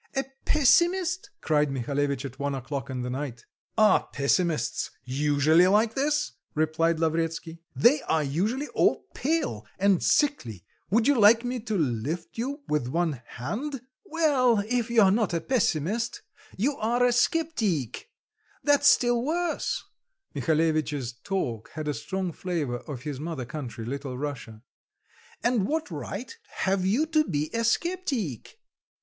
a pessimist?" cried Mihalevitch at one o'clock in the night. "Are pessimists usually like this?" replied Lavretsky. "They are usually all pale and sickly would you like me to lift you with one hand?" "Well, if you are not a pessimist you are a scepteec, that's still worse." Mihalevitch's talk had a strong flavour of his mother country, Little Russia. "And what right have you to be a scepteec?